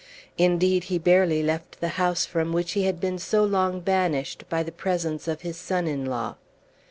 Indeed, he barely left the house from which he had been so long banished by the presence of his son in law.